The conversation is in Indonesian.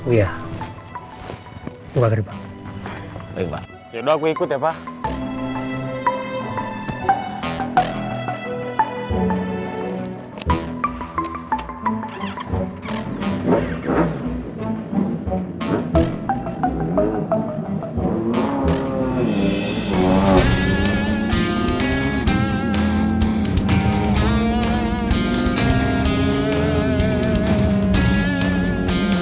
udah rekam ga bentuknya darum